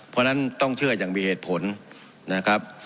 เพราะฉะนั้นต้องเชื่ออย่างมีเหตุผลนะครับ